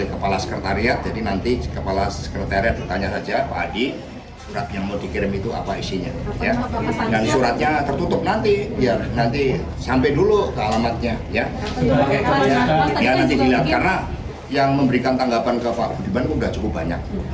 karena yang memberikan tanggapan kepada pak budiman sudah cukup banyak